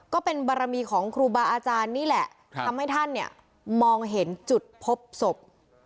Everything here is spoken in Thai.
ก็เป็นบารมีของครูบาอาจารย์นี่แหละทำให้ท่านเนี่ยมองเห็นจุดพบศพ